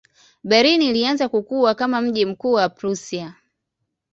Berlin ilianza kukua kama mji mkuu wa Prussia.